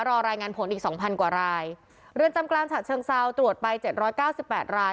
รอรายงานผลอีก๒๐๐๐กว่ารายเรือนจำกลางฉะเชิงเซาตรวจไป๗๙๘ราย